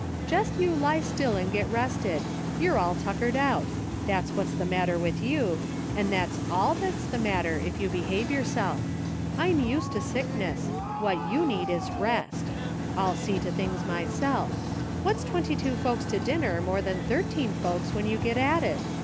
Jest you lie still and get rested ; you're all tuckered out ; that's what's the matter with you ; and that's all that's the matter, if you behave yourself. I'm used to sickness ; what you need is rest. I'lf see to things myself ; what's twenty two folks to dinner, more than thirteen folks, when you get at it